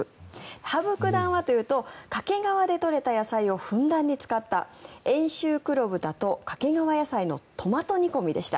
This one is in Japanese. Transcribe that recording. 羽生九段はというと掛川で取れた野菜をふんだんに使った遠州黒豚と掛川野菜のトマト煮込みでした。